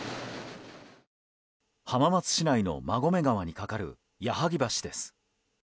浜松市内の馬込川にかかる矢矧橋です。